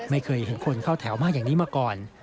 ไม่เคยเห็นคนเข้าแถวมากอย่างนี้มาก่อน